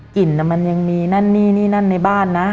กลิ่นมันยังมีนั่นนี่นี่นั่นในบ้านนะ